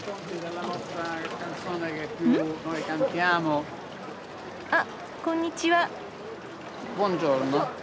うん？あっこんにちは。